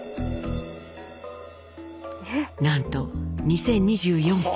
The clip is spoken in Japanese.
なんと２，０２４件。